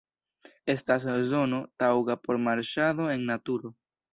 Estas zono taŭga por marŝado en naturo.